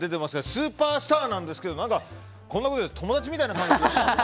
スーパースターなんですけどこんなこと言ったらあれですが友達みたいな感覚です。